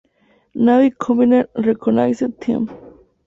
Navy Combined Reconnaissance Team".